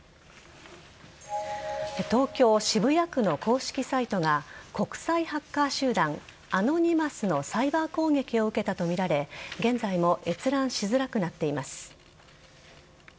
東京・渋谷区の公式サイトが国際ハッカー集団アノニマスのサイバー攻撃を受けたとみられ現在も閲覧しづらくなっています。